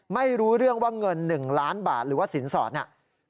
ไม่รู้เรื่องว่าเงิน๑ล้านบาทหรือว่าสินสอดเนี่ย